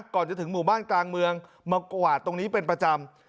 ก่อนจะถึงหมู่บ้านกลางเมืองมากวาดตรงนี้เป็นประจำ